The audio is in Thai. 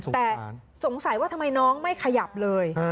แต่สงสัยว่าทำไมน้องไม่ขยับเลย